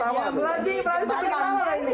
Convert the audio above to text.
pelatih sama ketawa lagi